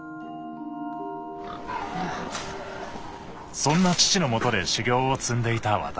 そんな父のもとで修業を積んでいた私。